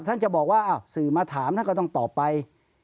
ท่านจะบอกว่าสื่อมาถามท่านก็ต้องตอบไป